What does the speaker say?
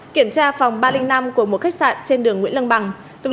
kiểm tra phòng ba trăm linh năm của một khách sạn trên đường nguyễn lâm bạc